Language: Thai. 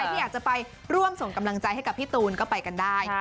ที่อยากจะไปร่วมส่งกำลังใจให้กับพี่ตูนก็ไปกันได้